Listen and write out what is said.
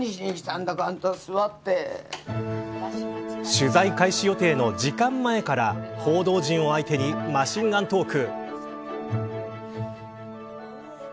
取材開始予定の１時間前から報道陣を相手にマシンガントーク。